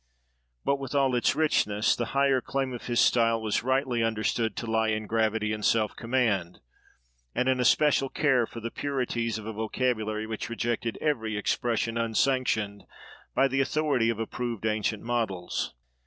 But with all its richness, the higher claim of his style was rightly understood to lie in gravity and self command, and an especial care for the purities of a vocabulary which rejected every expression unsanctioned by the authority of approved ancient models.